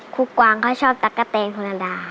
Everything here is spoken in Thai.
กวางเขาชอบตั๊กกะแตนคนละดา